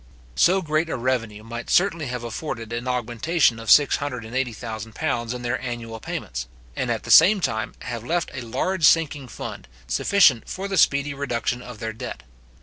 So great a revenue might certainly have afforded an augmentation of £680,000 in their annual payments; and, at the same time, have left a large sinking fund, sufficient for the speedy reduction of their debt.